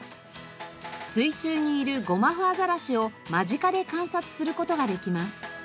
水中にいるゴマフアザラシを間近で観察する事ができます。